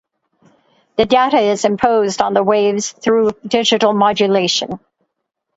The data is imposed on the waves through digital modulation.